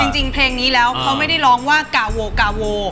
จริงเพลงนี้แล้วเขาไม่ได้ร้องว่ากาโวกาโว